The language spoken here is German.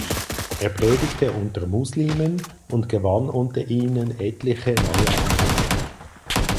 Er predigte unter Muslimen und gewann unter ihnen etliche neue Anhänger.